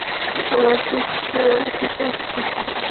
আমি পিটার ঠিকই।